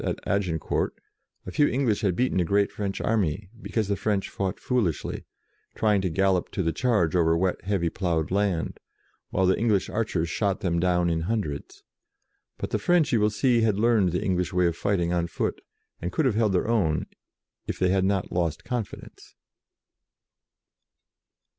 at Agincourt, a few English had beaten a great French army, because the French fought foolishly, trying to gallop to the charge over wet, heavy ploughed land, while the English archers shot them down in hundreds. But the French, you will see, had learned the Eng lish way of fighting on foot, and could have held their own, if they had not lost con fidence.